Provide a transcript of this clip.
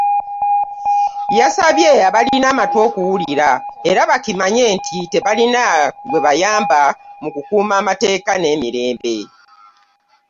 Yasabye abalina amatu okuwulira era bakimanye nti tebalina gwe bayamba mu kukuuma amateeka n’emirembe.